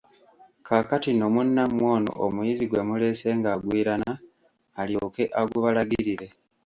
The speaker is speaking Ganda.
Kaakati nno munnamwe ono omuyizi gwe gumuleese ng'agwirana, alyoke agubalagirire.